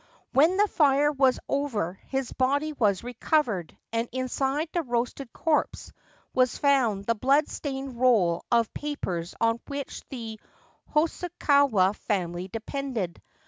When the fire was over his body was recovered, and inside the roasted corpse was found the blood stained roll of papers on which the Hosokawa family depended.